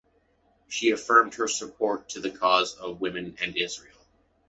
She affirms her support to the cause of women and Israel.